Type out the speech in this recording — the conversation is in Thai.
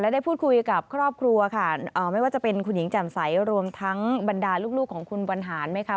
ได้พูดคุยกับครอบครัวค่ะไม่ว่าจะเป็นคุณหญิงแจ่มใสรวมทั้งบรรดาลูกของคุณบรรหารไหมคะ